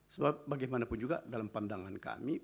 sebab bagaimanapun juga dalam pandangan kami